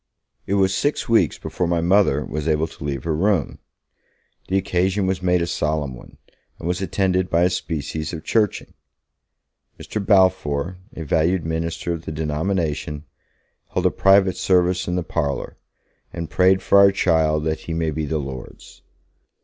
It was six weeks before my Mother was able to leave her room. The occasion was made a solemn one, and was attended by a species of Churching. Mr. Balfour, a valued minister of the denomination, held a private service in the parlour, and 'prayed for our child, that he may be the Lord's'.